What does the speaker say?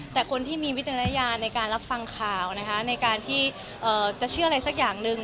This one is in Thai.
แต่คนที่มีวิจารณญาณในการรับฟังข่าวนะคะในการที่จะเชื่ออะไรสักอย่างหนึ่ง